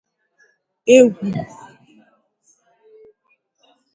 Egwu